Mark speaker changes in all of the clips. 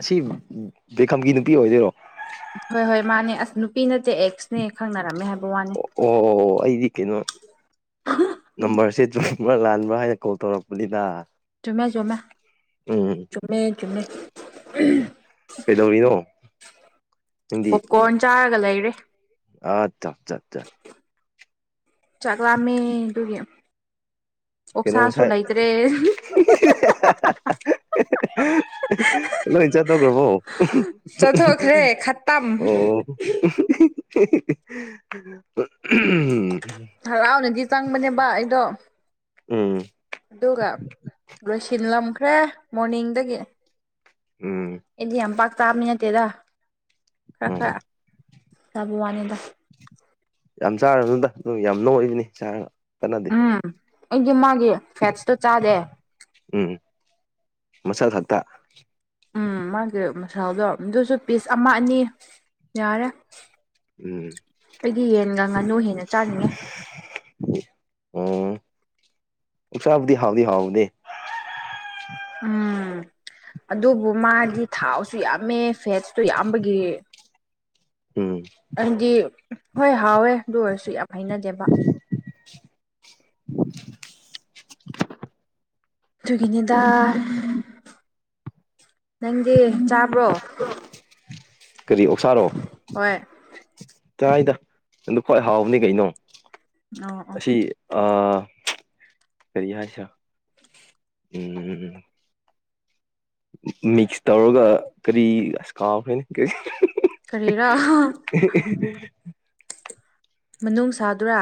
Speaker 1: ꯑꯁꯤ ꯕꯤꯀꯝꯒꯤ ꯅꯨꯄꯤ ꯑꯣꯏꯗꯣꯏꯔꯣ
Speaker 2: ꯍꯣꯏ ꯍꯣꯏ ꯃꯥꯅꯦ ꯑꯁ ꯅꯨꯄꯤ ꯅꯠꯇꯦ ꯑꯦꯛꯁꯅꯦ ꯈꯪꯅꯔꯝꯃꯦ ꯍꯥꯏꯕ ꯋꯥꯅꯦ
Speaker 1: ꯑꯣ ꯑꯣ ꯑꯩꯗꯤ ꯀꯩꯅꯣ ꯅꯝꯕꯔꯁꯦ ꯆꯨꯞꯕ꯭ꯔꯥ ꯂꯥꯟꯕ꯭ꯔꯥ ꯍꯥꯏꯅ ꯀꯣꯜ ꯇꯧꯔꯛꯄꯅꯤꯗ
Speaker 2: ꯆꯨꯝꯃꯦ ꯖꯨꯝꯃꯦ
Speaker 1: ꯎꯝ
Speaker 2: ꯆꯨꯝꯃꯦ ꯆꯨꯝꯃꯦ
Speaker 1: ꯀꯩꯗꯧꯔꯤꯅꯣ
Speaker 2: ꯄꯣꯞꯀꯣꯔꯟ ꯆꯥꯔꯒ ꯂꯩꯔꯦ
Speaker 1: ꯑꯆꯥ ꯆꯥ
Speaker 2: ꯆꯥꯛꯂꯝꯃꯦ ꯑꯗꯨꯒꯤ
Speaker 1: ꯀꯩꯅꯣ
Speaker 2: ꯑꯣꯛꯁꯥꯁꯨ
Speaker 1: ꯉꯁꯥꯏ
Speaker 2: ꯂꯩꯇ꯭ꯔꯦ
Speaker 1: [unintelligible] ꯂꯣꯏ ꯆꯠꯇꯧꯔꯕꯣ [unintelligible]
Speaker 2: ꯆꯠꯊꯣꯛꯈ꯭ꯔꯦ ꯈꯇꯝ
Speaker 1: ꯑꯣ [inaudible] [inaudible]
Speaker 2: ꯍꯔꯥꯎꯅꯗꯤ ꯆꯪꯕꯅꯦꯕ ꯑꯩꯗꯣ
Speaker 1: ꯎꯝ
Speaker 2: ꯑꯗꯨꯒ ꯂꯣꯏꯁꯤꯜꯂꯝꯈ꯭ꯔꯦ ꯃꯣꯔꯅꯤꯡꯗꯒꯤ
Speaker 1: ꯎꯝ
Speaker 2: ꯑꯩꯗꯤ ꯌꯥꯝ ꯄꯥꯛ ꯆꯥꯕꯃꯤ ꯅꯠꯇꯦꯗ ꯈꯔ
Speaker 1: ꯎꯝ
Speaker 2: ꯈꯔ ꯇꯥꯕ ꯋꯥꯅꯤꯗ
Speaker 1: ꯌꯥꯝ ꯆꯥꯔꯅꯨꯗ ꯑꯗꯨ ꯌꯥꯝ ꯅꯣꯏꯕꯅꯤ ꯆꯥꯔ ꯀꯟꯅ
Speaker 2: ꯎꯝ ꯑꯩꯒꯤ ꯃꯥꯒꯤ ꯐꯦꯠꯁꯇꯣ ꯆꯥꯗꯦ
Speaker 1: ꯎꯝ ꯃꯁꯟ ꯈꯛꯇ
Speaker 2: ꯎꯝ ꯃꯥꯒꯤ ꯃꯁꯥꯗꯣ ꯑꯗꯨꯁꯨ ꯄꯤꯁ ꯑꯃ ꯑꯅꯤ ꯌꯥꯔꯦ
Speaker 1: ꯎꯝ
Speaker 2: ꯑꯩꯗꯤ ꯌꯦꯟꯒꯥ ꯉꯥꯅꯨ ꯍꯦꯟꯅ ꯆꯥꯅꯤꯡꯉꯦ
Speaker 1: ꯎꯝ ꯎꯁꯥꯕꯨꯗꯤ ꯍꯥꯎꯗꯤ ꯍꯥꯎꯗꯦ
Speaker 2: ꯎꯝ ꯑꯗꯨꯕꯨ ꯃꯥꯗꯤ ꯊꯥꯎꯁꯨ ꯌꯥꯝꯃꯦ ꯐꯦꯠꯁꯨ ꯌꯥꯝꯕꯒꯤ
Speaker 1: ꯎꯝ
Speaker 2: ꯑꯗꯨꯗꯤ ꯍꯣꯏ ꯍꯥꯎꯋꯦ ꯑꯗꯨ ꯑꯣꯏꯔꯁꯨ ꯌꯥꯝ ꯍꯩꯅꯗꯦꯕ
Speaker 1: [inaudible]
Speaker 2: ꯑꯗꯨꯒꯤꯅꯤꯗ ꯅꯪꯗꯤ ꯆꯥꯕ꯭ꯔꯣ
Speaker 1: ꯀꯔꯤ ꯑꯣꯛꯁꯥꯔꯣ
Speaker 2: ꯍꯣꯏ
Speaker 1: ꯀꯥꯏꯗ ꯅꯗ ꯈ꯭ꯋꯥꯏ ꯍꯥꯎꯕꯅꯤ ꯀꯩꯅꯣ
Speaker 2: ꯑꯣ ꯑꯣ
Speaker 1: ꯑꯁꯤ ꯑ ꯀꯔꯤ ꯍꯥꯏꯁ ꯎꯝ ꯃꯤꯛꯁ ꯇꯧꯔꯒ ꯀꯔꯤ ꯑꯁ ꯀꯥꯎꯈ꯭ꯔꯦꯅ ꯀꯔꯤ
Speaker 2: ꯀꯔꯤꯔ
Speaker 1: [inaudible]
Speaker 2: ꯃꯅꯨꯡ ꯁꯥꯗ꯭ꯔꯥ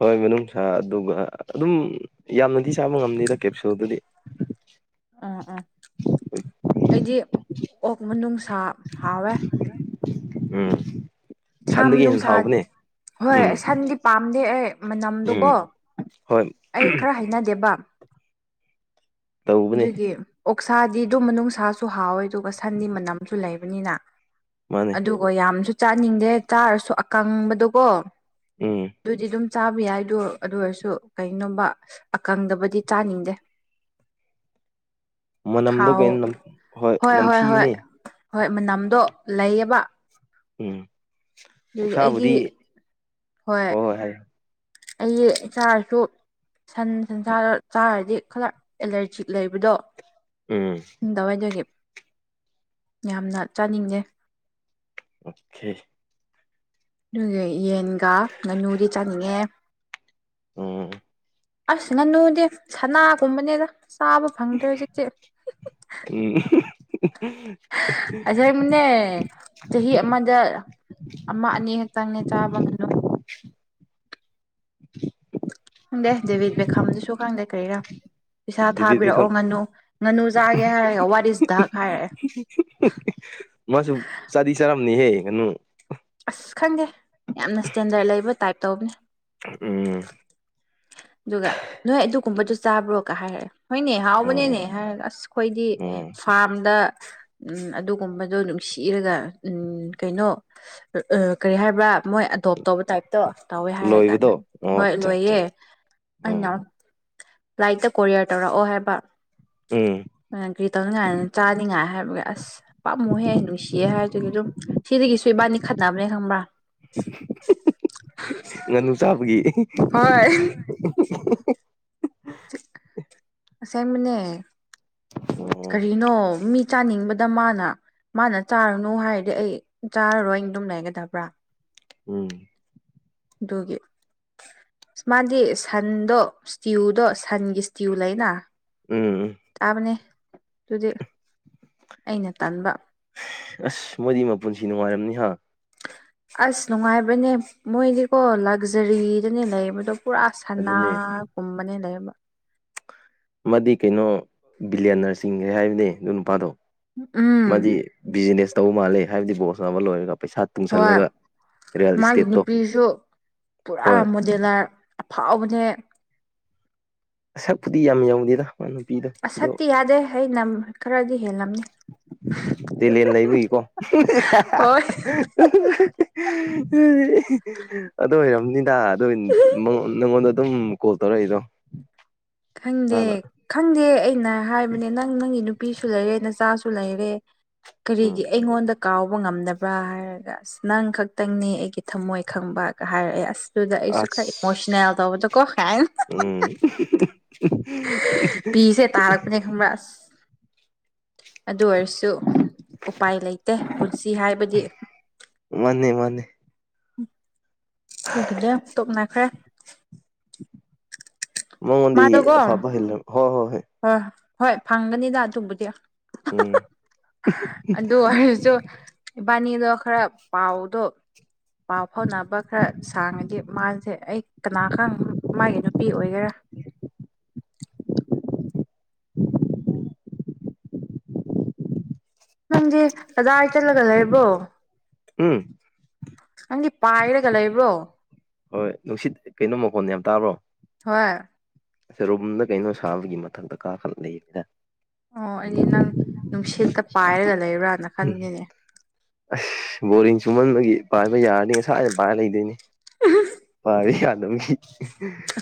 Speaker 1: ꯍꯣꯏ ꯃꯅꯨꯡ ꯁꯥ ꯑꯗꯨꯒ ꯑꯗꯨꯝ ꯌꯥꯝꯅꯗꯤ ꯆꯥꯕ ꯉꯝꯅꯤꯗ ꯀꯦꯞꯁꯨꯣꯗꯨꯗꯤ
Speaker 2: ꯑꯣ ꯑꯣ ꯑꯩꯗꯤ ꯑꯣꯛ ꯃꯅꯨꯡꯅꯨꯡꯁꯥ ꯍꯥꯎꯋꯦ
Speaker 1: ꯎꯝ
Speaker 2: ꯁꯥ
Speaker 1: ꯁꯟꯗꯒꯤ ꯍꯦꯟꯅ
Speaker 2: ꯅꯨꯡꯁꯥ
Speaker 1: ꯍꯥꯎꯕꯅꯦ
Speaker 2: ꯍꯣꯏ
Speaker 1: ꯎꯝ
Speaker 2: ꯁꯟꯗꯤ ꯄꯥꯝꯗꯦ ꯑꯩ ꯃꯅꯝꯗꯣꯀꯣ
Speaker 1: ꯎꯝ ꯍꯣꯏ
Speaker 2: ꯑꯩ ꯈꯔ ꯍꯥꯏꯅꯗꯦꯕ
Speaker 1: ꯇꯧꯕꯅꯦ
Speaker 2: ꯑꯗꯨꯒꯤ ꯑꯣꯛꯁꯥꯗꯤ ꯑꯗꯨꯝ ꯅꯨꯡꯁꯥꯁꯨ ꯍꯥꯎꯋꯦ ꯑꯗꯨꯒ ꯁꯟꯗꯤ ꯃꯅꯝꯁꯨ ꯂꯩꯕꯅꯤꯅ
Speaker 1: ꯃꯥꯅꯦ
Speaker 2: ꯑꯗꯨꯒ ꯌꯥꯝꯁꯨ ꯆꯥꯅꯤꯡꯗꯦ ꯆꯥꯔꯁꯨ ꯑꯀꯪꯕꯗꯨꯀꯣ
Speaker 1: ꯎꯝ
Speaker 2: ꯑꯗꯨꯗꯤ ꯑꯗꯨꯝ ꯆꯥꯕ ꯌꯥꯏꯗꯣ ꯑꯗꯨ ꯑꯣꯏꯔꯁꯨ ꯀꯣꯕ ꯑꯀꯪꯗꯕꯨꯗꯤ ꯆꯥꯅꯤꯡꯗꯦ
Speaker 1: ꯃꯅꯝꯗꯣ
Speaker 2: ꯍꯥꯎ
Speaker 1: ꯀꯩꯅꯣ
Speaker 2: ꯍꯣꯏ ꯍꯣꯏ ꯍꯣꯏ ꯍꯣꯏ ꯃꯅꯝꯗꯣ ꯂꯩꯌꯦꯕ
Speaker 1: ꯎꯝ
Speaker 2: ꯑꯗꯨꯒꯤ ꯑꯩꯗꯤ
Speaker 1: ꯎꯞꯁꯥꯕꯨꯗꯤ ꯍꯣꯏ ꯍꯣꯏ ꯍꯥꯏꯌ
Speaker 2: ꯑꯩ ꯆꯥꯁꯨ ꯁꯟ ꯁꯟꯁꯥꯗ ꯆꯥꯔꯗꯤ ꯈꯔ ꯑꯦꯂꯔꯖꯤ ꯂꯩꯕꯗꯣ
Speaker 1: ꯎꯝ
Speaker 2: ꯑꯗꯨꯋꯥꯏꯗꯒꯤ ꯌꯥꯝꯅ ꯆꯥꯅꯤꯡꯗꯦ
Speaker 1: ꯑꯣꯦ
Speaker 2: ꯑꯗꯨꯒ ꯌꯦꯟꯒ ꯉꯥꯅꯨꯗꯤ ꯆꯥꯅꯤꯡꯉꯦ
Speaker 1: ꯎꯝ
Speaker 2: ꯑꯁ ꯉꯥꯅꯨꯗꯤ ꯁꯅꯥꯒꯨꯝꯕꯅꯦꯅ ꯆꯥꯕ ꯐꯪꯗ꯭ꯔꯦ ꯍꯧꯖꯤꯛꯇꯤ
Speaker 1: ꯎꯝ
Speaker 2: ꯑꯁꯅꯦ ꯆꯍꯤ ꯑꯃꯗ ꯑꯃ ꯑꯅꯤ ꯈꯛꯇꯪꯅꯦ ꯆꯥꯕ ꯉꯥꯅꯨ ꯈꯪꯗꯦ ꯗꯖꯦꯕꯤꯠ ꯕꯦꯈꯥꯝꯗꯨꯁꯨ ꯈꯪꯗꯦ ꯀꯩꯔꯥ ꯄꯩꯁꯥ
Speaker 1: ꯗꯤꯕꯤꯠ
Speaker 2: ꯊꯥꯕꯤꯔꯛꯑꯣ
Speaker 1: ꯏꯀꯝ
Speaker 2: ꯉꯥꯅꯨ ꯉꯥꯅꯨ ꯆꯥꯒꯦ ꯍꯥꯏꯔꯒ ꯋꯥꯠ ꯏꯁ ꯗꯙꯛ ꯍꯥꯏꯔꯛꯑꯦ
Speaker 1: ꯃꯥꯁꯨ ꯆꯥꯗꯤ ꯆꯥꯔꯝꯅꯤꯍꯦ ꯉꯩꯅꯨ
Speaker 2: ꯑꯁ ꯈꯪꯗꯦ ꯌꯥꯝꯅ ꯏꯁ꯭ꯇꯦꯟꯗꯔꯠ ꯂꯩꯕ ꯇꯥꯏꯞ ꯇꯧꯕꯅꯦ
Speaker 1: ꯎꯝ
Speaker 2: ꯑꯗꯨꯒ ꯅꯣꯏ ꯑꯗꯨꯒꯨꯝꯕꯗꯨ ꯆꯥꯕ꯭ꯔꯣꯒ ꯍꯥꯏꯔꯦ ꯍꯣꯏꯅꯦ
Speaker 1: ꯎꯝ
Speaker 2: ꯍꯥꯎꯕꯅꯦꯅꯦ ꯑꯁ ꯈꯣꯏꯗꯤ
Speaker 1: ꯎꯝ
Speaker 2: ꯐꯥꯔꯝꯗ ꯑꯗꯨꯒꯨꯝꯕꯗꯣ ꯅꯨꯡꯁꯤꯔꯒ ꯀꯩꯅꯣ ꯀꯔꯤ ꯍꯥꯏꯕ꯭ꯔꯥ ꯃꯣꯏ ꯑꯦꯗꯣꯞ ꯇꯧꯕ ꯇꯥꯏꯞ ꯇꯧꯋꯦ ꯍꯥꯏꯔꯒꯥꯟ
Speaker 1: ꯂꯣꯏꯕꯗꯣ
Speaker 2: ꯅꯪ
Speaker 1: ꯑꯣ
Speaker 2: ꯍꯣꯏ
Speaker 1: ꯑꯠꯆꯥ ꯑꯠꯆꯥ
Speaker 2: ꯂꯣꯏꯌꯦ ꯑꯩꯅ
Speaker 1: ꯎꯝ
Speaker 2: ꯂꯥꯏꯛꯇ ꯀꯣꯔꯤꯌꯔ ꯇꯧꯔꯛꯑꯣ ꯍꯥꯏꯕ
Speaker 1: ꯎꯝ
Speaker 2: ꯒ꯭ꯔꯤ ꯇꯧꯅꯤꯡꯉꯥꯏꯗꯅ ꯆꯥꯅꯤꯡꯉꯥꯏ ꯍꯥꯏꯕꯒꯤ ꯑꯁ ꯄꯥꯝꯃꯨꯍꯦ ꯅꯨꯡꯁꯤꯌꯦ ꯍꯥꯏꯗꯨꯒꯤ ꯑꯗꯨꯝ ꯁꯤꯗꯒꯤꯁꯨ ꯏꯕꯥꯅꯤ ꯈꯠꯅꯕꯅꯦ ꯈꯪꯕ꯭ꯔꯥ
Speaker 1: ꯉꯥꯅꯨ ꯆꯥꯕꯒꯤ
Speaker 2: ꯍꯣꯏ ꯑꯁꯦꯡꯕꯅꯦ
Speaker 1: ꯑꯣ
Speaker 2: ꯀꯔꯤꯅꯣ ꯃꯤ ꯆꯥꯅꯤꯡꯕꯗ ꯃꯥꯅ ꯃꯥꯅ ꯆꯥꯔꯨꯅꯨ ꯍꯥꯏꯔꯗꯤ ꯑꯩ ꯆꯥꯔꯔꯣꯏ ꯑꯗꯨꯝ ꯂꯩꯒꯗꯕ꯭ꯔꯥ
Speaker 1: ꯎꯝ
Speaker 2: ꯑꯗꯨꯒꯤ ꯑ ꯃꯥꯗꯤ ꯁꯟꯗꯣ ꯏꯁꯇꯤꯌꯨꯗꯣ ꯁꯟꯒꯤ ꯏꯁꯇꯤꯌꯨ ꯂꯩꯅ
Speaker 1: ꯎꯝ ꯎꯝ
Speaker 2: ꯇꯥꯕꯅꯦ ꯑꯗꯨꯗꯤ ꯑꯩꯅ ꯇꯥꯟꯕ
Speaker 1: ꯑꯁ ꯃꯣꯏꯗꯤ ꯃꯄꯨꯟꯁꯤ ꯅꯨꯡꯉꯥꯏꯔꯝꯅꯤ ꯍꯥ
Speaker 2: ꯑꯁ ꯅꯨꯡꯉꯥꯏꯕꯅꯦ ꯃꯣꯏꯗꯤꯀꯣ ꯂꯛꯖꯔꯤꯗꯅꯦ ꯂꯩꯕꯗꯣ ꯄꯨꯔꯥ
Speaker 1: ꯑꯗꯨꯅꯦ
Speaker 2: ꯁꯅꯥꯒꯨꯝꯕꯅꯦ ꯂꯩꯕ
Speaker 1: ꯃꯥꯗꯤ ꯀꯩꯅꯣ ꯕꯤꯔꯤꯌꯥꯅꯔ ꯆꯤꯡꯈ꯭ꯔꯦ ꯍꯥꯏꯕꯅꯦ ꯑꯗꯨ ꯅꯨꯄꯥꯗꯣ
Speaker 2: ꯎꯝ
Speaker 1: ꯃꯥꯗꯤ ꯕꯤꯖꯤꯅꯦꯁ ꯇꯧꯕ ꯃꯥꯜꯂꯦ ꯍꯥꯏꯕꯗꯤ ꯕꯣꯁꯅꯕ ꯂꯣꯏꯔꯒ ꯄꯩꯁꯥ
Speaker 2: ꯍꯣꯏ
Speaker 1: ꯇꯨꯡꯁꯜꯂꯒ ꯔꯤꯌꯦꯜ
Speaker 2: ꯃꯥꯒꯤ
Speaker 1: ꯏꯁꯇꯦꯠꯇꯣ
Speaker 2: ꯅꯨꯄꯤꯁꯨ ꯄꯨꯔꯥ
Speaker 1: ꯍꯣꯏ
Speaker 2: ꯑꯗꯨꯅ ꯑꯐꯥꯎꯕꯅꯦ
Speaker 1: ꯁꯛꯄꯨꯗꯤ ꯌꯥꯝ ꯌꯧꯗꯦꯗ ꯃꯥ ꯅꯨꯄꯤꯗꯣ ꯑꯗꯣ
Speaker 2: ꯑꯁꯛꯇꯤ ꯌꯥꯗꯦ ꯑꯩꯅ ꯈꯔꯗꯤ ꯍꯦꯜꯂꯝ
Speaker 1: ꯇꯦꯂꯦꯟ ꯂꯩꯕꯒꯤꯀꯣ
Speaker 2: ꯍꯣꯏ
Speaker 1: ꯑꯗꯨ ꯑꯣꯏꯔꯝꯅꯤꯗ ꯑꯗꯨ ꯅꯪꯉꯣꯟꯗ ꯑꯗꯨꯝ ꯀꯣꯜ ꯇꯧꯔꯛꯏꯗꯣ
Speaker 2: ꯈꯪꯗꯦ
Speaker 1: ꯃꯥꯅ
Speaker 2: ꯈꯪꯗꯦ ꯑꯩꯅ ꯍꯥꯏꯕꯅꯦ ꯅꯪ ꯅꯪꯒꯤ ꯅꯨꯄꯤ ꯅꯨꯄꯤꯁꯨ ꯂꯩꯔꯦ ꯅꯆꯥꯁꯨ ꯂꯩꯔꯦ ꯀꯔꯤꯒꯤ
Speaker 1: ꯎꯝ
Speaker 2: ꯑꯩꯉꯣꯟꯗ ꯀꯥꯎꯕ ꯉꯝꯅꯕ꯭ꯔꯥ ꯍꯥꯏꯔꯒ ꯑꯁ ꯅꯪ ꯈꯛꯇꯪꯅꯦ ꯑꯩꯒꯤ ꯊꯝꯃꯣꯏ ꯈꯪꯕꯒ ꯍꯥꯏꯔꯛꯑꯦ ꯑꯁ ꯑꯗꯨꯗ ꯑꯩꯁꯨ
Speaker 1: ꯑꯁ
Speaker 2: ꯈꯔ ꯏꯃꯣꯁꯅꯦꯜ ꯇꯧꯕꯗꯣ ꯀꯣ ꯍꯥꯏ
Speaker 1: ꯎꯝ
Speaker 2: ꯄꯤꯁꯦ ꯇꯥꯔꯛꯄꯅꯦ ꯈꯪꯕ꯭ꯔ ꯑꯗꯨ ꯑꯣꯏꯔꯁꯨ ꯎꯄꯥꯏ ꯂꯩꯇꯦ ꯄꯨꯟꯁꯤ ꯍꯥꯏꯕꯗꯤ
Speaker 1: ꯃꯥꯅꯤ ꯃꯥꯅꯤ
Speaker 2: ꯀꯒꯤꯗꯦ ꯇꯣꯛꯅꯈ꯭ꯔꯦ
Speaker 1: ꯃꯉꯣꯟꯗꯒꯤ
Speaker 2: ꯃꯥꯗꯣꯀꯣ
Speaker 1: ꯑꯐꯕ ꯍꯦꯟꯂꯣ ꯀꯣ
Speaker 2: ꯍꯣꯏ ꯍꯣꯏ ꯐꯪꯒꯅꯤꯗ ꯑꯗꯨꯕꯨꯗꯤ
Speaker 1: ꯎꯝ
Speaker 2: ꯑꯗꯨ ꯑꯣꯏꯁꯨ ꯏꯕꯥꯅꯤꯗꯣ ꯈꯔ ꯄꯥꯎꯗꯣ ꯄꯥꯎ ꯐꯥꯎꯅꯕ ꯈꯔ ꯁꯥꯡꯉꯗꯤ ꯃꯥꯁꯦ ꯑꯩ ꯀꯅꯥꯒ ꯃꯥꯒꯤ ꯅꯨꯄꯤ ꯑꯣꯏꯒꯦꯔꯥ
Speaker 1: [unintelligible] [unintelligible]
Speaker 2: ꯅꯪꯗꯤ ꯑꯗꯥ ꯆꯠꯂꯒ ꯂꯩꯔꯕꯣ
Speaker 1: ꯍꯨꯝ
Speaker 2: ꯅꯪꯗꯤ ꯄꯥꯏꯔꯒ ꯂꯩꯕ꯭ꯔꯣ
Speaker 1: ꯍꯣꯏ ꯅꯨꯡꯁꯤꯠ ꯀꯩꯅꯣ ꯃꯀꯣꯟ ꯌꯥꯝ ꯇꯥꯕ꯭ꯔꯣ
Speaker 2: ꯍꯣꯏ
Speaker 1: ꯑꯁ ꯔꯨꯝꯗ ꯀꯩꯅꯣ ꯁꯥꯕꯒꯤ ꯃꯊꯛꯇ ꯀꯥ ꯈꯔ ꯂꯩꯌꯦꯗ
Speaker 2: ꯑꯣ ꯑꯩꯗꯤ ꯅꯪ ꯅꯨꯡꯁꯤꯠꯇ ꯄꯥꯏꯔꯒ ꯂꯩꯕ꯭ꯔꯥꯅ ꯈꯟꯕꯅꯤꯅꯦ
Speaker 1: ꯑꯁ ꯕꯣꯔꯤꯡ ꯆꯨꯝꯃꯟꯕꯒꯤ ꯄꯥꯏꯕ ꯌꯥꯔꯗꯤ ꯉꯁꯥꯏꯗ ꯄꯥꯏꯔ ꯂꯩꯗꯣꯏꯅꯤ
Speaker 2: ꯑ
Speaker 1: ꯌꯥꯗꯤ ꯌꯥꯗ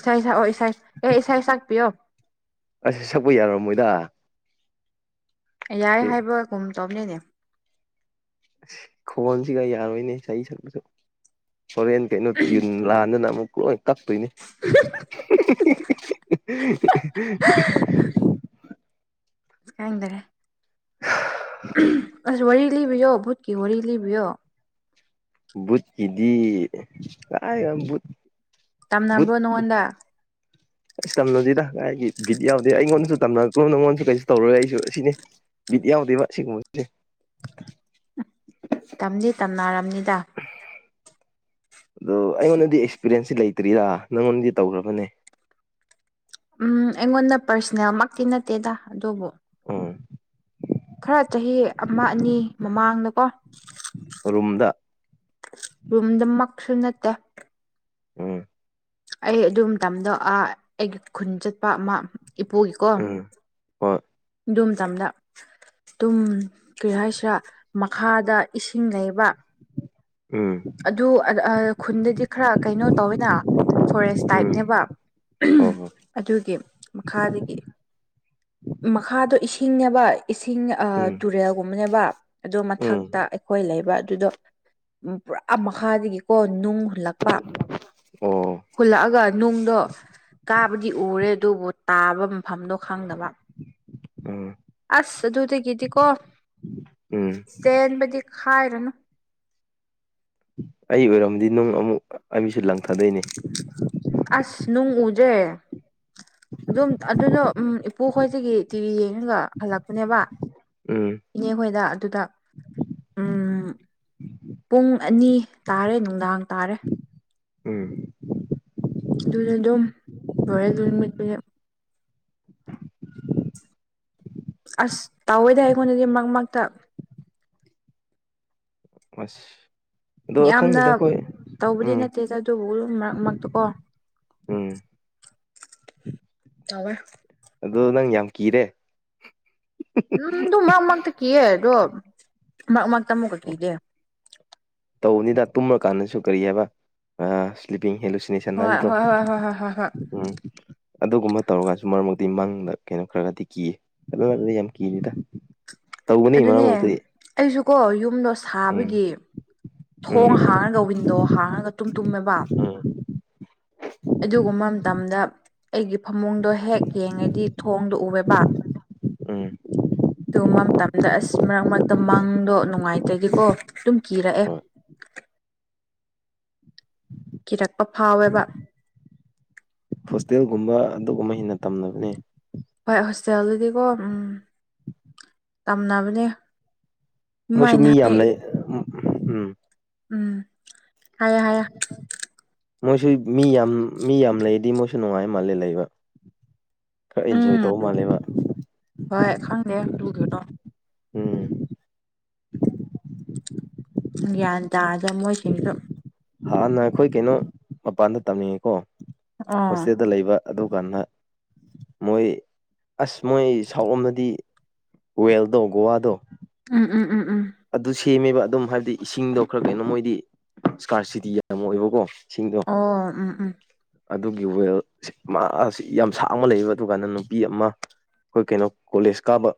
Speaker 2: ꯏꯁꯥ ꯁꯛ ꯑꯣ ꯏꯁ ꯑꯦ ꯏꯁꯥ ꯁꯛꯄꯤꯌꯣ
Speaker 1: ꯑꯁ ꯁꯛꯄ ꯌꯥꯔꯝꯃꯣꯏꯗ
Speaker 2: ꯌꯥꯏ
Speaker 1: ꯁꯤ
Speaker 2: ꯍꯥꯏꯕꯒꯨꯝ ꯇꯧꯅꯦꯅꯦ
Speaker 1: ꯈꯣꯟꯁꯤꯒ ꯌꯥꯔꯣꯏꯅꯦ ꯆꯍꯤ ꯁꯛꯄꯁꯨ ꯍꯣꯔꯦꯟ ꯀꯩꯅꯣ ꯇ꯭ꯌꯨꯟ ꯂꯥꯟꯗꯅ ꯑꯃꯨꯛ ꯂꯣꯏ ꯀꯛꯇꯣꯏꯅꯦ
Speaker 2: ꯀꯥꯏꯅꯗꯔꯦ ꯑꯁ ꯋꯥꯔꯤ ꯂꯤꯕꯤꯌꯣ ꯚꯠꯀꯤ ꯋꯥꯔꯤ ꯂꯤꯕꯤꯌꯣ
Speaker 1: ꯕꯨꯠꯀꯤꯗꯤ ꯀꯥꯏ ꯌꯥꯝ ꯕꯨꯠ ꯕꯨꯠ
Speaker 2: ꯇꯝꯅꯕ꯭ꯔꯣ ꯅꯉꯣꯟꯗ
Speaker 1: [inaudible] ꯑꯁ ꯇꯝꯅꯁꯤꯗ ꯍꯥꯏꯥꯏꯒꯤ ꯕꯤꯠ ꯌꯥꯎꯗꯦ ꯑꯩꯉꯣꯟꯗꯁꯨ ꯇꯝꯅꯔ꯭ꯔꯣ ꯅꯪꯉꯣꯟꯁꯨ ꯀꯩꯁꯨ ꯇꯧꯔꯣꯏ ꯑꯩꯁꯨ ꯑꯁꯤꯅꯤ ꯏꯗꯤ ꯌꯥꯗꯩꯕ ꯁꯤꯒꯨꯝꯕꯦ
Speaker 2: ꯇꯝꯗꯤ ꯇꯝꯅꯔꯝꯅꯤꯗ
Speaker 1: ꯑꯗꯣ ꯑꯩꯉꯣꯟꯗꯗꯤ ꯑꯦꯛꯁꯄꯤꯔꯦꯟꯁꯁꯤ ꯂꯩꯇ꯭ꯔꯤꯔ ꯅꯪꯉꯣꯟꯗꯗꯤ ꯇꯧꯈ꯭ꯔꯕꯅꯦ
Speaker 2: ꯎꯝ ꯑꯩꯉꯣꯟꯗ ꯄꯔꯁꯅꯦꯜꯃꯛꯇꯤ ꯅꯠꯇꯦꯗ ꯑꯗꯨꯕꯨ
Speaker 1: ꯎꯝ
Speaker 2: ꯈꯔ ꯆꯍꯤ ꯑꯃ ꯑꯅꯤ ꯃꯃꯥꯡꯗꯀꯣ
Speaker 1: ꯔꯨꯝꯗ
Speaker 2: ꯔꯨꯝꯗꯃꯛꯁꯨ ꯅꯠꯇꯦ
Speaker 1: ꯎꯝ
Speaker 2: ꯑꯩ ꯑꯗꯨ ꯃꯇꯝꯗꯣ ꯑ ꯑꯩꯒꯤ ꯈꯨꯟ ꯆꯠꯄ ꯑꯃꯥ ꯏꯄꯨꯒꯤꯀꯣ
Speaker 1: ꯎꯝ ꯍꯣꯏ
Speaker 2: ꯏꯗꯨꯝ ꯃꯇꯝꯗ ꯇꯨꯝ ꯀꯔꯤ ꯍꯥꯏꯁꯤꯔꯥ ꯃꯈꯥꯗ ꯏꯁꯤꯡ ꯂꯩꯩꯕ
Speaker 1: ꯎꯝ
Speaker 2: ꯑꯗꯨ ꯈꯨꯟꯗꯗꯤ ꯈꯔ ꯀꯩꯅꯣ ꯇꯧꯋꯤꯅ ꯐꯣꯔꯦꯁ
Speaker 1: ꯎꯝ
Speaker 2: ꯇꯥꯏꯞꯅꯦꯕ
Speaker 1: ꯍꯣꯏ ꯍꯣꯏ
Speaker 2: ꯑꯗꯨꯒꯤ ꯃꯈꯥꯗꯒꯤ ꯃꯈꯥꯗꯣ ꯏꯁꯤꯡꯅꯦꯕ ꯏꯁꯤꯡ ꯑ
Speaker 1: ꯎꯝ
Speaker 2: ꯇꯨꯔꯦꯜꯒꯨꯝꯕꯅꯦꯕ ꯑꯗꯨ ꯃꯊꯛ
Speaker 1: ꯎꯝ
Speaker 2: ꯇ ꯑꯩꯈꯣꯏ ꯂꯩꯕ ꯑꯗꯨꯗꯣ ꯄꯨꯔꯥ ꯃꯈꯥꯗꯒꯤꯀꯣ ꯅꯨꯡ ꯍꯨꯜꯂꯛꯄ
Speaker 1: ꯑꯣ
Speaker 2: ꯍꯨꯜꯂꯛ ꯑꯒ ꯅꯨꯡꯗꯣ ꯀꯥꯕꯗꯤ ꯎꯔꯦ ꯑꯗꯨꯕꯨ ꯇꯥꯕ ꯃꯐꯝꯗꯣ ꯈꯪꯗꯕ
Speaker 1: ꯑꯝ
Speaker 2: ꯑꯁ ꯑꯗꯨꯗꯒꯤꯗꯤꯀꯣ
Speaker 1: ꯎꯝ
Speaker 2: ꯆꯦꯟꯕꯗꯤ ꯈꯥꯏꯔꯅꯨ
Speaker 1: ꯑꯩ ꯑꯣꯏꯔꯝꯗꯤ ꯅꯨꯡ ꯑꯃꯨꯛ ꯑꯩꯁꯨ ꯂꯪꯊꯗꯣꯏꯅꯦ
Speaker 2: ꯑꯁ ꯅꯨꯡ ꯎꯖꯦ ꯑꯗꯨꯝ ꯑꯗꯨꯅ‌ꯣ ꯎꯝ ꯄꯨꯨ ꯍ‌ꯣꯏꯗꯒꯤ ꯇꯤꯚꯤ ꯌꯦꯡꯉꯒ ꯍꯂꯛꯄꯅꯦꯕ
Speaker 1: ꯎꯝ
Speaker 2: ꯏꯅꯦ ꯈꯣꯏꯗ ꯑꯗꯨꯗ ꯎꯝ ꯄꯨꯡ ꯑꯅꯤ ꯇꯥꯔꯦ ꯅꯨꯡꯗꯥꯡ ꯇꯥꯔꯦ
Speaker 1: ꯎꯝ
Speaker 2: ꯑꯗꯨꯗꯤ ꯑꯗꯨꯝ ꯂ‌ꯣꯏꯔꯦ ꯑꯗꯨ ꯅꯨꯃꯤꯠꯇꯨ ꯗꯤ ꯑꯁ ꯇꯧꯏꯗ ꯑꯩꯉꯣꯟꯗꯗꯤ ꯃꯛ ꯃꯛꯇ
Speaker 1: ꯑꯁ ꯑꯗꯣ
Speaker 2: ꯌꯥꯝꯅ
Speaker 1: ꯈꯪꯅꯤꯗ ꯑꯩꯈꯣꯏ
Speaker 2: ꯇꯧꯕꯗꯤ
Speaker 1: ꯎꯝ
Speaker 2: ꯅꯠꯇꯦꯗ ꯑꯗꯨꯕꯨ ꯃꯔꯛ ꯃꯔꯛꯇ ꯀꯣ
Speaker 1: ꯎꯝ
Speaker 2: ꯇꯧꯋ‌ꯦ
Speaker 1: ꯑꯗꯣ ꯅꯪ ꯌꯥꯝ ꯀꯤꯔꯦ
Speaker 2: ꯎꯝ ꯑꯗꯨ ꯃꯛ ꯃꯛꯇ ꯀꯤꯌꯦ ꯑꯗꯣ ꯃꯔꯛ ꯃꯔꯛꯇ ꯑꯃꯨꯛꯀ ꯀꯤꯗꯦ
Speaker 1: ꯇꯧꯕꯅꯤꯗ ꯇꯨꯝꯃ ꯀꯥꯟꯗꯁꯨ ꯀꯔꯤ ꯍꯥꯏꯕ ꯑꯥ ꯏꯁ꯭ꯂꯤꯄꯤꯡ ꯍꯤꯜꯁ ꯅꯤꯁꯟ
Speaker 2: ꯍꯣꯏ
Speaker 1: ꯍꯥꯏꯗꯣ
Speaker 2: ꯍꯣꯏ ꯍꯣꯏ ꯍꯣꯏ ꯍꯣꯏ ꯍꯣꯏ ꯍꯣꯏ
Speaker 1: ꯎꯝ ꯑꯗꯨꯒꯨꯝꯕ ꯇꯧꯔꯒꯁꯨ ꯃꯔꯛ ꯃꯔꯛꯇꯤ ꯃꯪꯗ ꯀꯩꯅꯣ ꯈꯔꯒꯗꯤ ꯀꯤꯌꯦ ꯍꯥꯜꯂꯣ ꯍꯥꯏꯕꯗ ꯌꯥꯝ ꯀꯤꯅꯤꯗ
Speaker 2: ꯑꯗꯨꯅꯦ ꯑꯩꯁꯨꯀꯣ ꯌꯨꯝꯗꯣ
Speaker 1: ꯎꯝ
Speaker 2: ꯁꯥꯕꯒꯤ ꯊꯣꯡ
Speaker 1: ꯎꯝ
Speaker 2: ꯍꯥꯡꯉꯒ ꯋꯤꯟꯗꯣ ꯍꯥꯡꯉꯒ ꯇꯨꯝ ꯇꯨꯝꯃꯦꯕ
Speaker 1: ꯎꯝ
Speaker 2: ꯑꯗꯨꯒꯨꯝꯕ ꯃꯇꯝꯗ ꯑꯩꯒꯤ ꯐꯃꯨꯡꯗꯣ ꯍꯦꯛ ꯌꯦꯡꯉꯗꯤ ꯊꯣꯡꯗ‌ꯣ ꯎꯋ‌ꯦꯕ
Speaker 1: ꯎꯝ
Speaker 2: ꯇꯨꯝꯕ ꯃꯇꯝꯗ ꯑꯁ ꯃꯔꯛ ꯃꯔꯛꯇ ꯃꯪꯗꯣ ꯅꯨꯡꯉꯥꯏ ꯇꯔꯗꯤꯀꯣ ꯑꯗꯨꯝ ꯀꯤꯔꯛꯑꯦ
Speaker 1: ꯍꯣꯏ
Speaker 2: ꯀꯤꯔꯛꯄ ꯐꯥꯎꯋꯦꯕ
Speaker 1: ꯍꯣꯁꯇꯦꯜꯒꯨꯝꯕ ꯑꯗꯨꯒꯨꯝꯕ ꯍꯦꯟꯅ ꯇꯝꯅꯕꯅꯦ
Speaker 2: ꯍꯣꯏ ꯍꯣꯁꯇꯦꯜꯗꯗꯤꯀꯣ ꯎꯝ ꯇꯝꯅꯕꯅꯦ
Speaker 1: ꯃꯣꯏꯁꯨ
Speaker 2: ꯑꯗꯨꯃꯥꯏꯅ
Speaker 1: ꯃꯤ ꯌꯥꯝ
Speaker 2: ꯍꯥꯏ
Speaker 1: ꯂꯩ ꯎꯝ ꯎꯝ
Speaker 2: ꯎꯝ ꯍꯥꯏꯌ‌ꯣ ꯍꯥꯏꯌ‌ꯣ
Speaker 1: ꯃꯣꯏꯁꯨ ꯃꯤ ꯌꯥꯝ ꯃꯤ ꯌꯥꯝ ꯂꯩꯗꯤ ꯃꯣꯏꯁꯨ ꯅꯨꯡꯉꯥꯏ ꯃꯥꯜꯂꯦ ꯂꯩꯕ ꯈꯔ ꯏꯟꯖꯣꯏ
Speaker 2: ꯎꯝ
Speaker 1: ꯇꯧꯕ ꯃꯥꯜꯂꯦꯕ
Speaker 2: ꯍꯣꯏ ꯈꯪꯗꯦ ꯂꯨꯗꯣꯏꯔꯣ
Speaker 1: ꯎꯝ
Speaker 2: ꯒ꯭ꯌꯥꯟ ꯇꯥꯗ ꯃꯣꯏꯁꯤꯡꯁꯨ
Speaker 1: ꯍꯥꯟꯅ ꯑꯩꯈꯣꯏ ꯀꯩꯅꯣ ꯃꯄꯥꯟꯗ ꯇꯝꯅꯤꯡꯉꯦꯀꯣ
Speaker 2: ꯑꯣ
Speaker 1: ꯍꯣꯁꯇꯦꯜꯗ ꯂꯩꯕ ꯑꯗꯨꯀꯥꯟꯗ ꯃꯣꯏ ꯑꯁ ꯃꯣꯏ ꯁꯥꯎꯔꯣꯝꯃꯗꯤ ꯋꯦꯜꯗꯣ ꯒꯨꯍꯥꯗꯣ
Speaker 2: ꯎꯝ ꯎꯝ ꯎꯝ
Speaker 1: ꯑꯗꯨ ꯁꯦꯝꯃꯦꯕ ꯑꯗꯨꯝ ꯍꯥꯏꯕꯗꯤ ꯏꯁꯤꯡꯗꯣ ꯈꯔ ꯀꯩꯅꯣ ꯃꯣꯏꯗꯤ ꯏꯁꯀꯥꯔꯁꯤꯇꯤ ꯌꯥꯝ ꯑꯣꯏꯕꯀꯣ ꯏꯁꯤꯡꯗꯣ
Speaker 2: ꯑꯣ ꯎꯝ ꯎꯝ
Speaker 1: ꯑꯗꯨꯒꯤ ꯋꯦꯜ ꯁꯤꯛꯃꯥ ꯑꯁ ꯌꯥꯝ ꯁꯥꯡꯕ ꯂꯩꯌꯦꯕ ꯑꯗꯨꯀꯥꯟꯗ ꯅꯨꯄꯤ ꯑꯃ ꯑꯩꯈꯣꯏ ꯀꯩꯅꯣ ꯀꯣꯂꯦꯖ ꯀꯥꯕ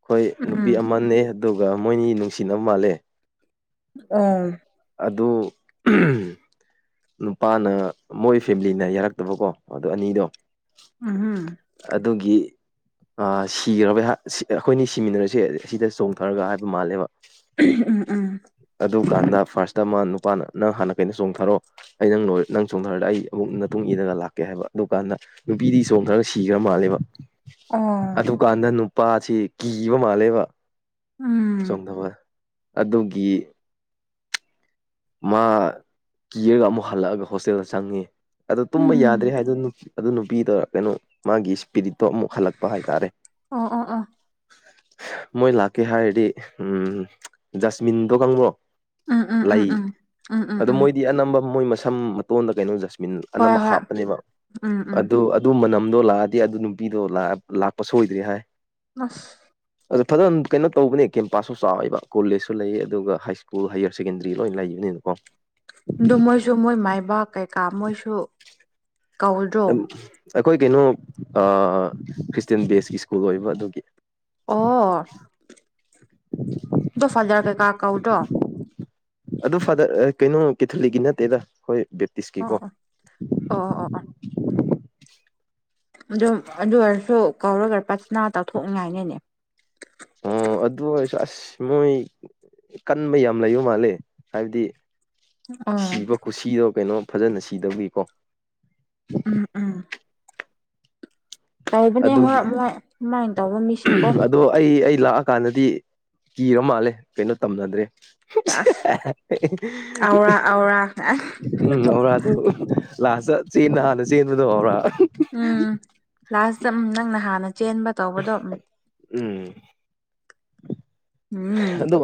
Speaker 1: ꯑꯈꯣꯏ ꯅꯨꯄꯤ
Speaker 2: ꯎꯝ
Speaker 1: ꯑꯃꯅꯦ ꯑꯗꯨꯒ ꯃꯣꯏꯅꯤ ꯅꯨꯡꯁꯤꯅꯕ ꯃꯥꯜꯂꯦ
Speaker 2: ꯑꯣꯝ
Speaker 1: ꯑꯗꯨ ꯎꯝ ꯅꯨꯄꯥꯅ ꯃꯣꯏ ꯐꯦꯃꯤꯂꯤꯅ ꯌꯥꯔꯛꯇꯕꯀꯣ ꯑꯗꯥ ꯑꯅꯤꯗꯣ
Speaker 2: ꯎꯝꯍꯨꯝ
Speaker 1: ꯑꯗꯨꯒꯤ ꯑ ꯁꯤꯒ꯭ꯔꯕꯩ ꯍꯥꯠ ꯁꯤ ꯑ ꯑꯩꯈꯣꯏꯅꯤ ꯁꯤꯃꯤꯟꯅꯔꯁꯦ ꯑꯁꯤꯗ ꯆꯣꯡꯊꯔꯒ ꯍꯥꯏꯕ ꯃꯥꯜꯂꯦꯕ
Speaker 2: ꯎꯝ ꯎꯝ ꯎꯝ
Speaker 1: ꯑꯗꯨꯀꯥꯟꯗ ꯐꯥꯔꯁꯇ ꯑꯃ ꯅꯨꯄꯥꯅ ꯅꯪ ꯍꯥꯟꯅ ꯀꯩꯅꯣ ꯆꯣꯡꯊꯔꯣ ꯑꯩ ꯅꯪ ꯅꯣꯏ ꯅꯪ ꯆꯣꯡꯊꯔꯒ ꯑꯩ ꯑꯃꯨꯛ ꯅꯇꯨꯡ ꯏꯂꯒ ꯂꯥꯛꯀꯦ ꯍꯥꯏꯕ ꯑꯗꯨ ꯀꯥꯟꯗ ꯅꯨꯄꯤꯗꯤ ꯆꯣꯡꯊꯔꯒ ꯁꯤꯈ꯭ꯔ ꯃꯥꯜꯂꯦꯕ
Speaker 2: ꯑꯣ
Speaker 1: ꯑꯗꯨꯀꯥꯟꯗ ꯅꯨꯄꯥꯁꯤ ꯀꯤꯕ ꯃꯥꯜꯂꯦꯕ
Speaker 2: ꯎꯝ
Speaker 1: ꯆꯣꯡꯗꯕ ꯑꯗꯨꯒꯤ ꯃꯥ ꯀꯤꯔꯒ ꯑꯃꯨꯛ ꯍꯜꯂꯛꯑꯒ ꯍꯣꯁꯇꯦꯜꯗ ꯆꯪꯉꯦ ꯑꯗꯣ ꯇꯨꯝꯕ ꯌꯥꯗ꯭ꯔꯦ
Speaker 2: ꯎꯝ
Speaker 1: ꯍꯥꯏꯗ ꯅꯨꯞ ꯑꯗꯨ ꯅꯨꯄꯤꯗꯣ ꯀꯩꯅꯣ ꯃꯥꯒꯤ ꯏꯁꯄꯤꯔꯤꯠꯇꯣ ꯑꯃꯨꯛ ꯍꯜꯂꯛꯄ ꯍꯥꯏꯇꯥꯔꯦ
Speaker 2: ꯑꯣ ꯑꯣ ꯑꯣ
Speaker 1: ꯃꯣꯏ ꯂꯥꯛꯀꯦ ꯍꯥꯏꯔꯗꯤ ꯎꯝ ꯖꯁꯃꯤꯟꯗꯣ ꯈꯪꯕ꯭ꯔꯣ
Speaker 2: ꯎꯝ ꯎꯝ ꯎꯝ ꯎꯝ
Speaker 1: ꯂꯩ
Speaker 2: ꯎꯝ ꯎꯝ
Speaker 1: ꯑꯗꯨ
Speaker 2: ꯎꯝ
Speaker 1: ꯃꯣꯏꯗꯤ ꯑꯅꯝꯕ ꯃꯣꯏ ꯃꯁꯝ ꯃꯇꯣꯟꯗ ꯀꯩꯅꯣ ꯖꯁꯃꯤꯟ
Speaker 2: ꯍꯣꯏ
Speaker 1: ꯑꯅꯝꯕ
Speaker 2: ꯍꯣꯏ
Speaker 1: ꯍꯥꯞꯄꯅꯦꯕ
Speaker 2: ꯎꯝ ꯎꯝ
Speaker 1: ꯑꯗꯣ ꯑꯗꯨ ꯃꯅꯝꯗꯣ ꯂꯥꯛꯑꯗꯤ ꯑꯗꯨ ꯅꯨꯄꯤꯗꯣ ꯂꯥꯛ ꯂꯥꯛꯄ ꯁꯣꯏꯗ꯭ꯔꯦ ꯍꯥꯏ
Speaker 2: ꯑꯁ
Speaker 1: ꯑꯗꯣ ꯐꯖꯅ ꯀꯩꯅꯣ ꯇꯧꯕꯅꯦ ꯀꯦꯝꯄꯥꯁꯁꯨ ꯆꯥꯎꯋꯦꯕ ꯀꯣꯂꯦꯖꯁꯨ ꯂꯩꯌꯦ ꯑꯗꯨꯒ ꯍꯥꯏ ꯁ꯭ꯀꯨꯜ ꯍꯥꯏꯌꯔ ꯁꯦꯀꯦꯟꯗꯔꯤ ꯂꯣꯏ ꯂꯩꯌꯦ [unintelligible]
Speaker 2: ꯑꯗꯨ ꯃꯣꯏꯁꯨ ꯃꯣꯏ ꯃꯥꯏꯕꯥ ꯀꯩꯀꯥ ꯃꯣꯏꯁꯨ ꯀꯧꯗ꯭ꯔꯣ
Speaker 1: ꯑꯩꯈꯣꯏ ꯀꯩꯅꯣ ꯑ ꯈ꯭ꯔꯤꯁꯇꯌꯥꯦꯟ ꯕꯦꯁꯀꯤ ꯁ꯭ꯀꯨꯜ ꯑꯣꯏꯕ ꯑꯗꯨꯒꯤ
Speaker 2: ꯑꯣ ꯣ ꯐꯥꯖꯔ ꯀꯩꯀꯥ ꯀꯧꯗ꯭ꯔꯣ
Speaker 1: ꯑꯗꯣ ꯐꯥꯗꯔ ꯀꯩꯅꯣ ꯀꯦꯊꯂꯤꯛꯀꯤ ꯅꯠꯇꯦꯗ ꯍꯣꯏ
Speaker 2: ꯑꯣ ꯑꯣ ꯑꯣ ꯑꯣ ꯑꯗꯨꯝ ꯑꯗꯨ ꯑꯣꯏꯔꯁꯨ ꯀꯧꯔꯒ ꯄꯊꯅꯥ ꯇꯥꯊꯣꯛꯅꯤꯡꯉꯥꯏꯅꯤꯅꯦ
Speaker 1: ꯑꯣ ꯑꯗꯨ ꯑꯣꯏꯔꯁꯨ ꯑꯁ ꯃꯣꯏ ꯀꯟꯕ ꯌꯥꯝ ꯂꯩꯕ ꯃꯥꯜꯂꯦ ꯍꯥꯏꯕꯗꯤ
Speaker 2: ꯑꯥ
Speaker 1: ꯀꯠꯁꯤꯗꯣ ꯀꯩꯅꯣ ꯐꯖꯅ ꯁꯤꯗꯧꯒꯤꯀꯣ
Speaker 2: ꯎꯝ ꯎꯝ ꯇꯕꯅꯦ ꯍꯣꯏ
Speaker 1: ꯑꯗꯨꯒꯤ
Speaker 2: ꯃꯣꯏ ꯁꯨꯃꯥꯏꯅ ꯇꯧꯕ ꯃꯤꯁꯤꯡꯀꯣ
Speaker 1: ꯑꯗꯣ ꯑꯩ ꯑꯩ ꯂꯥꯛꯑ ꯀꯥꯟꯗꯗꯤ ꯀꯤꯔ ꯃꯥꯜꯂꯦ ꯀꯩꯅꯣ ꯇꯝꯅꯗ꯭ꯔꯦ
Speaker 2: ꯑꯁ ꯑꯧꯔꯥ ꯑꯧꯔꯥ
Speaker 1: [unintelligible] ꯎꯝ ꯍꯧꯧꯔꯥ ꯑꯗꯨ ꯂꯥꯁꯇ ꯆꯦꯟꯟꯅ ꯍꯥꯟꯅ ꯆꯦꯟꯕꯗꯣ ꯍꯧꯔ
Speaker 2: ꯎꯝ ꯂꯥꯁꯇ ꯎꯝ ꯅꯪꯅ ꯍꯥꯟꯅ ꯆꯦꯟꯕ ꯇꯧꯕꯗꯣ
Speaker 1: ꯎꯝ
Speaker 2: ꯎꯝ
Speaker 1: ꯑꯗꯨꯝ